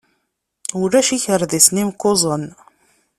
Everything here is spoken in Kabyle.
Ulac ikerdisen imkuẓen.